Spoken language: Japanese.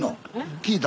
聞いたん？